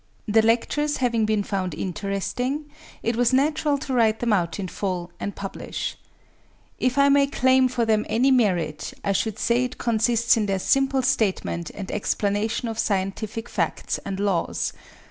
The lectures having been found interesting, it was natural to write them out in full and publish. If I may claim for them any merit, I should say it consists in their simple statement and explanation of scientific facts and laws.